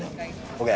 ＯＫ？